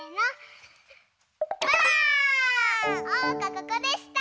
ここでした！